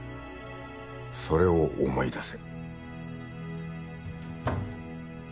それを思い出せ。